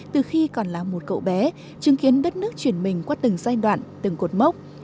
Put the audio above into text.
từ khi còn là một cậu bé chứng kiến đất nước chuyển mình qua từng giai đoạn từng cột mốc